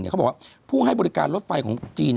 เขาบอกว่าผู้ให้บริการรถไฟของจีน